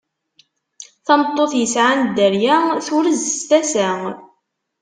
Tameṭṭut yesɛan dderya turez s tasa.